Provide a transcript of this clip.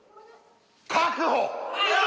確保。